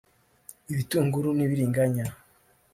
ibitunguru n’ibiringanya